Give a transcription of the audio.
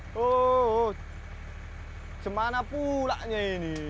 oh oh oh cuman apulahnya ini